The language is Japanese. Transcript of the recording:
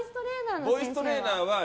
ボイストレーナーの先生。